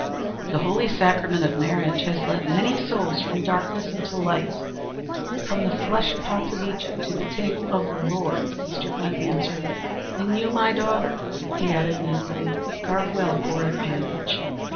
"The holy sacrament of marriage has led many souls from darkness into light, from the flesh pots of Egypt to the table of the Lord" Mr. Glynn answered. "And you, my daughter," he added, meaningly, "guard well your advantage."